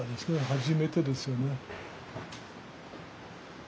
初めてですよね。